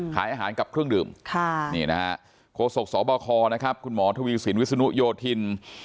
ขายอาหารกับเครื่องดื่มโค้ดศกสบคคุณหมอทวีสินวิสุนุโยธิน